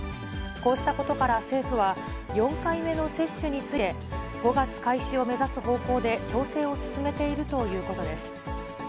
こうしたことから政府は、４回目の接種について、５月開始を目指す方向で調整を進めているということです。